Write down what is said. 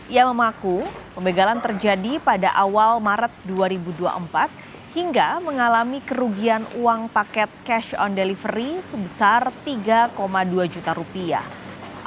ia mengaku pembegalan terjadi pada awal maret dua ribu dua puluh empat hingga mengalami kerugian uang paket cash on delivery sebesar tiga dua juta rupiah